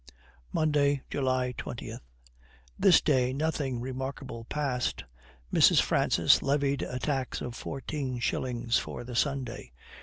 Monday, July 20. This day nothing remarkable passed; Mrs. Francis levied a tax of fourteen shillings for the Sunday.